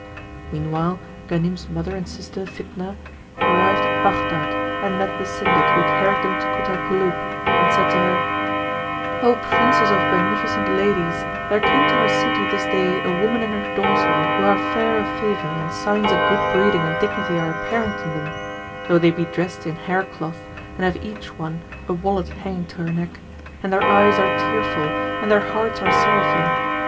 Meanwhile Ghanim's mother and sister Fitnah arrived at Baghdad and met the Syndic, who carried them to Kut al Kulub and said to her, "O Princess of beneficent ladies, there came to our city this day a woman and her daughter, who are fair of favour and signs of good breeding and dignity are apparent in them, though they be dressed in hair cloth and have each one a wallet hanging to her neck; and their eyes are tearful and their hearts are sorrowful.